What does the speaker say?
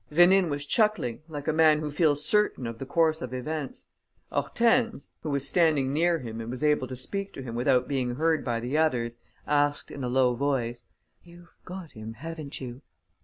Rénine was chuckling like a man who feels certain of the course of events. Hortense, who was standing near him and was able to speak to him without being heard by the others, asked, in a low voice: "You've got him, haven't you?"